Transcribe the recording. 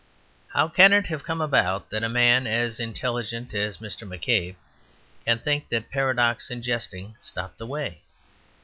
How can it have come about that a man as intelligent as Mr. McCabe can think that paradox and jesting stop the way?